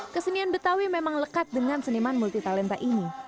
kesenian betawi memang lekat dengan seniman multitalenta ini